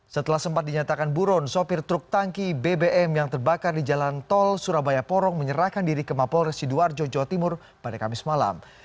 setelah sempat dinyatakan buron sopir truk tangki bbm yang terbakar di jalan tol surabaya porong menyerahkan diri ke mapol residu arjo jawa timur pada kamis malam